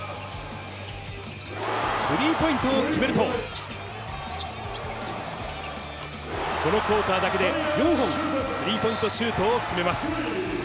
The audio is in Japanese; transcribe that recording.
スリーポイントを決めると、このクオーターだけで４本、スリーポイントシュートを決めます。